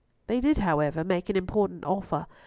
They did, however, make an important offer.